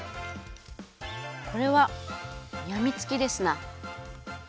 これはやみつきですな。